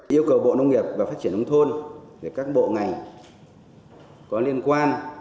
yêu cầu bộ nông nghiệp và phát triển nông thôn các bộ ngành có liên quan